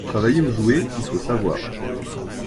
Travailler ou jouer, il faut savoir.